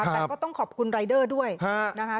แต่ก็ต้องขอบคุณรายเดอร์ด้วยนะคะ